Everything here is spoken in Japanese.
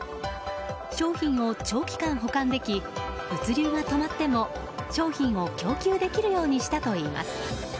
商品を長期間保管でき物流が止まっても商品を供給できるようにしたといいます。